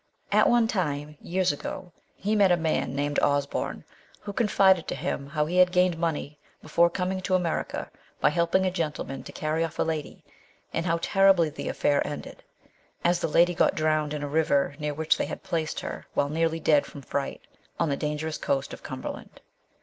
At one time years ago he met a man named Osborne, who confided to 200 MRS. SHELLEY. him how he had gained money before coming to America by helping a gentleman to carry off a lady, and how terribly the affair ended, as the lady got drowned in a river near which they had placed her while nearly dead from fright, on the dangerous coast of Cumberland.